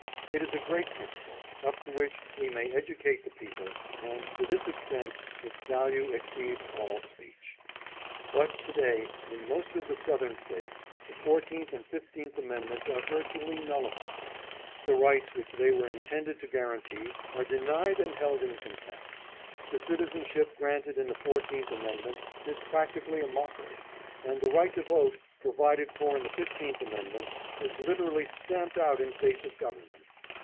It is a great principle, up to which we may educate the people, and to this extent its value exceeds all speech. But to day, in most of the Southern States, the four teenth and fifteenth amendments are virtually nullified. The rights which they were intended to guarantee are denied and held in contempt. The citizenship granted in the fourteenth amendment is practically a mockery, and the right to vote, provided for in the fifteenth amend ment, is literally stamped out in face of government.